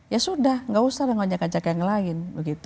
ya sudah tidak usah dengan ajak ajak yang lain